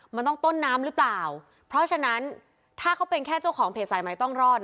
มันต้องต้นน้ำหรือเปล่าเพราะฉะนั้นถ้าเขาเป็นแค่เจ้าของเพจสายใหม่ต้องรอด